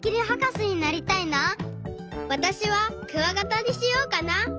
わたしはクワガタにしようかな！